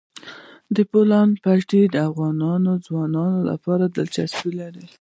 د بولان پټي د افغان ځوانانو لپاره دلچسپي لري.